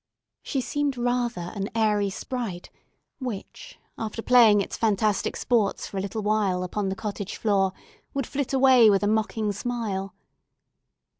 She seemed rather an airy sprite, which, after playing its fantastic sports for a little while upon the cottage floor, would flit away with a mocking smile.